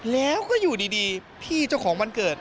แล้วก็อยู่ดีพี่เจ้าของวันเกิด